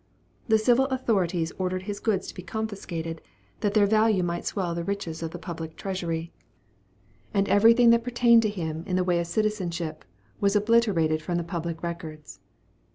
The civil authorities ordered his goods to be confiscated, that their value might swell the riches of the public treasury; and everything that pertained to him, in the way of citizenship, was obliterated from the public records.